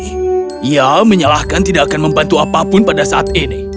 ia menyalahkan tidak akan membantu apapun pada saat ini